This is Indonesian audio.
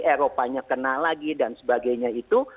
eropanya kena lagi dan sebagainya itu